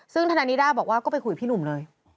ซึ่งธนานิด้าบอกว่าก็ไปคุยกับพี่หนุ่มเลย